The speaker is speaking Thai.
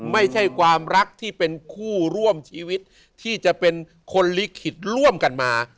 ไม่ใช่ความรักที่เป็นคู่ร่วมชีวิตที่จะเป็นคนลิขิตร่วมกันมา